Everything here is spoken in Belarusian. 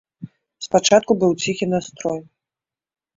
Спачатку быў ціхі настрой.